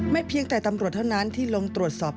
เพียงแต่ตำรวจเท่านั้นที่ลงตรวจสอบ